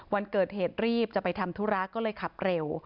วันเกิดเหตุรีบจะไปทำธุระก็เลยขับเร็ว